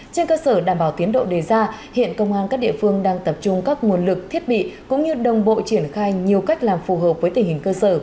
trên cơ sở đảm bảo tiến độ đề ra hiện công an các địa phương đang tập trung các nguồn lực thiết bị cũng như đồng bộ triển khai nhiều cách làm phù hợp với tình hình cơ sở